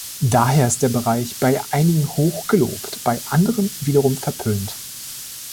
Daher ist der Bereich bei einigen hoch gelobt, bei anderen wiederum verpönt.